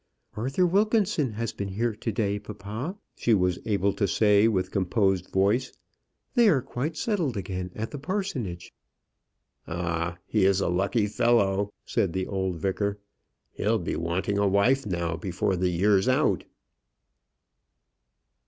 "Arthur Wilkinson has been here to day, papa," she was able to say, with composed voice; "they are quite settled again at the parsonage." "Ah! he is a lucky fellow," said the old vicar; "he'll be wanting a wife now before the year's out."